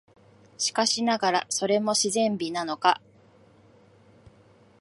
しかしながら、それも自然美なのか、